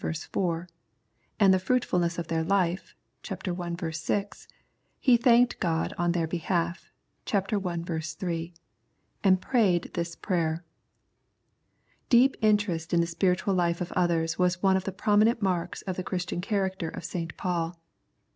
4), and the fruit fulness of their life (ch. i. 6), he thanked God on their behalf (ch. i. 3), and prayed this prayer. Deep interest in the spiritual life of others was one of the prominent marks of the Christian character of St. Paul.